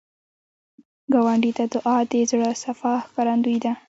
ګاونډي ته دعا، د زړه صفا ښکارندویي ده